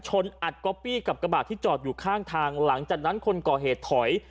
อัดก๊อปปี้กับกระบาดที่จอดอยู่ข้างทางหลังจากนั้นคนก่อเหตุถอย